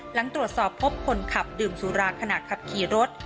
หลังตรวจสอบพบคนขับดื่มสุราขณะขับขี่รถ